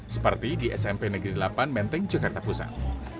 seperti di smp negeri delapan menteng jakarta pusat